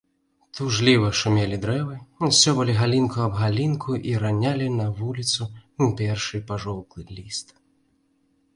Тужліва шумелі дрэвы, сцёбалі галінку аб галінку і ранялі на вуліцу першы пажоўклы ліст.